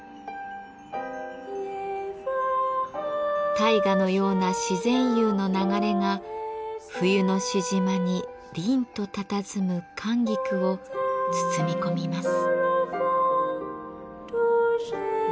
大河のような自然釉の流れが冬のしじまにりんとたたずむ寒菊を包み込みます。